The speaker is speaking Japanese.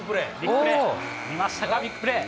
見ましたか、ビッグプレー。